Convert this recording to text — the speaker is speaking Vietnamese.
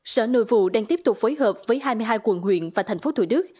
sở nội vụ đang tiếp tục phối hợp với hai mươi hai quận huyện và tp thủ đức